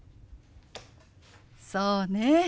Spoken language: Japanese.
そうね。